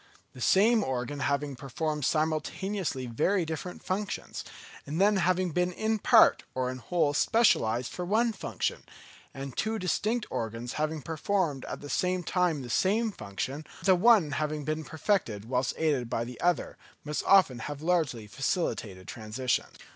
The same organ having performed simultaneously very different functions, and then having been in part or in whole specialised for one function; and two distinct organs having performed at the same time the same function, the one having been perfected whilst aided by the other, must often have largely facilitated transitions.